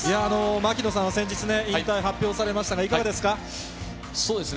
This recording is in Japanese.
槙野さんは先日ね、引退発表されましたが、いかがですか。